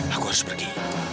aku harus pergi